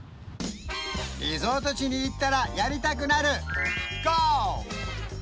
リゾート地に行ったらやりたくなるゴルフ！